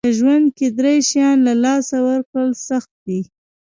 که ژوند کې درې شیان له لاسه ورکړل سخت دي.